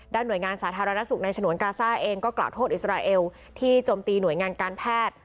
หน่วยงานสาธารณสุขในฉนวนกาซ่าเองก็กล่าวโทษอิสราเอลที่จมตีหน่วยงานการแพทย์